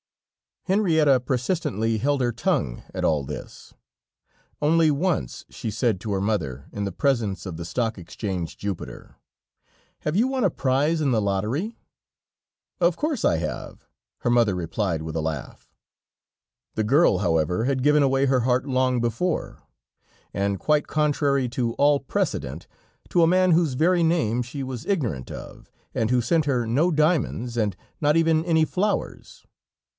Henrietta persistently held her tongue at all this; only once she said to her mother in the presence of the Stock Exchange Jupiter: "Have you won a prize in the lottery?" "Of course, I have," her mother replied with a laugh. The girl, however, had given away her heart long before, and quite contrary to all precedent, to a man whose very name she was ignorant of, and who sent her no diamonds, and not even any flowers.